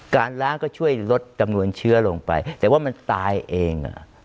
การล้างก็ช่วยลดจำนวนเชื้อลงไปแต่ว่ามันตายเอง